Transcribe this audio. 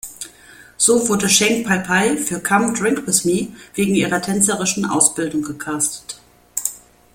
So wurde Cheng Pei-pei für "Come Drink With Me" wegen ihrer tänzerischen Ausbildung gecastet.